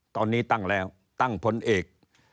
ตอนนี้ตั้งแล้วตั้งผลเอก